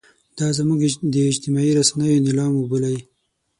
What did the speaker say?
دا زموږ د اجتماعي رسنیو نیلام وبولئ.